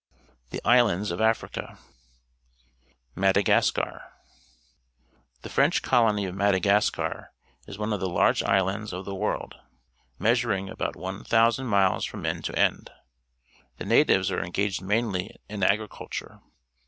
THE ISLANDS OF AFRICA e y>.^ Madagascar. — The French colony of Mada gascar is one of the large islands of the world, measuring about 1,000 miles from end to end. The natives are engaged mainlj' in agriculture.